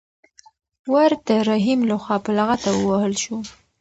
ور د رحیم لخوا په لغته ووهل شو.